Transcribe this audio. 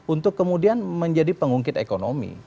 untuk kemudian menjadi pengungkit ekonomi